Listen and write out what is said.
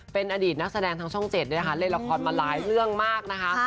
เป็นอดีตนักแสดงทางช่อง๗เล่นละครมาหลายเรื่องมากนะคะ